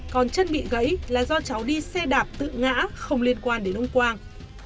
còn chân bị gãy là do cháu đi xe đạp tự ngã không liên quan đến ông quang